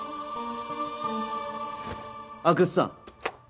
阿久津さん。